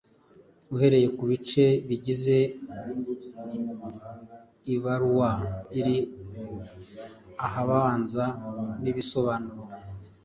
Uhereye ku bice bigize ibaruwa iri ahabanza n’ibisobanuro